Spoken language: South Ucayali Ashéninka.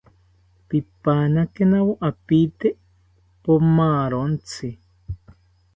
Pipanakenawo apiite pomarontzi